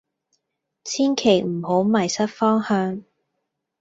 千祈唔好迷失方向